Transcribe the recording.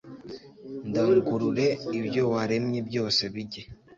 ndangurure, ibyo waremye byose bijye